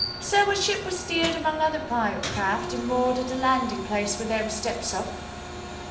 So our ship was steered among other pirate craft, and moored at a landing place where there were steps up.